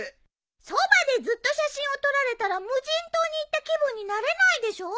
そばでずっと写真を撮られたら無人島に行った気分になれないでしょ？